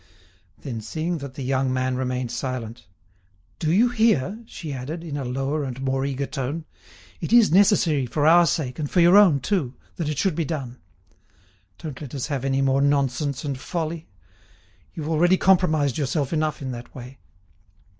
Then seeing that the young man remained silent: "Do you hear?" she added, in a lower and more eager tone; "it is necessary for our sake, and for your own, too, that it should be done. Don't let us have any more nonsense and folly. You've already compromised yourself enough in that way."